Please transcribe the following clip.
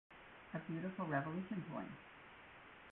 A Beautiful Revolution Pt.